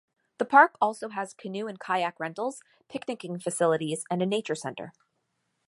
The park also has canoe and kayak rentals, picnicking facilities, and a nature center.